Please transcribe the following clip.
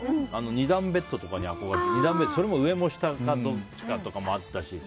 ２段ベッドとかに憧れてそれも上か下かとかあったし。